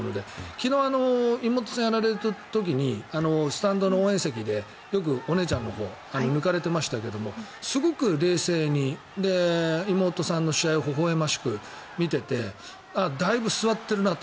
昨日、妹さんがやられていた時にスタンドの応援席でよくお姉ちゃんのほうが抜かれていましたけどすごく冷静に、妹さんの試合をほほ笑ましく見ていてだいぶ据わっているなと。